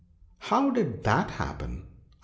" How did that happen ?